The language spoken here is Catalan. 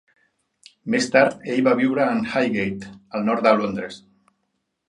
Més tard ell va viure en Highgate, al nord de Londres.